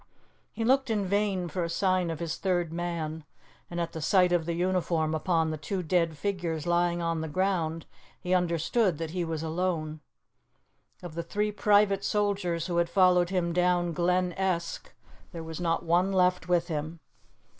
He looked in vain for a sign of his third man, and at the sight of the uniform upon the two dead figures lying on the ground he understood that he was alone. Of the three private soldiers who had followed him down Glen Esk there was not one left with him.